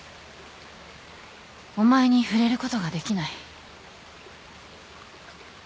お前に触れることができない。